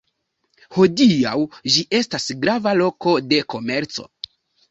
Hodiaŭ ĝi estas grava loko de komerco.